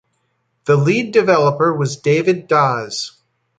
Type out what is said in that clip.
The lead developer was David Dawes.